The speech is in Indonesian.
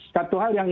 satu hal yang